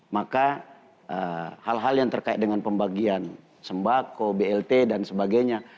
maka hal hal yang terkait dengan pembagian sembako blt dan sebagainya